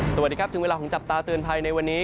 สวัสดีครับถึงเวลาของจับตาเตือนภัยในวันนี้